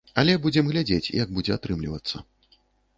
Але будзем глядзець, як будзе атрымлівацца.